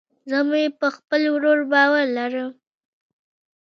زه مې په خپل ورور باور لرم